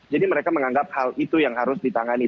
jadi mereka menganggap hal itu yang harus ditangani